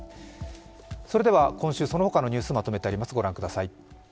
それでは今週、そのほかのニュースをまとめてあります。